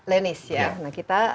lenis ya nah kita